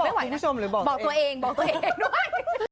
ไม่ไหวนะบอกตัวเองบอกตัวเองด้วย